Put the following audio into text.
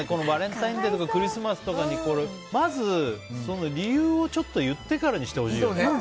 バレンタインデーとかクリスマスとかにまず、その理由をちょっと言ってからにしてほしいよね。